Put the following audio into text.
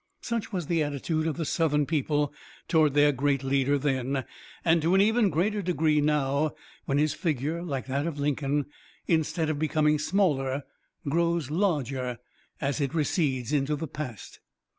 Such was the attitude of the Southern people toward their great leader then, and, to an even greater degree now, when his figure, like that of Lincoln, instead of becoming smaller grows larger as it recedes into the past.